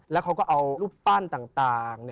แล้วเขาก็เอารูปปั้นต่าง